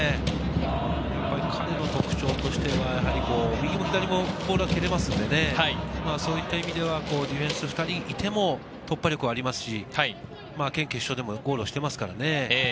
彼の特徴としては右も左もボールは蹴れますんでね、ディフェンス２人いても突破力はありますし、県決勝でもゴールしてますからね。